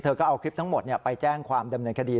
ก็เอาคลิปทั้งหมดไปแจ้งความดำเนินคดี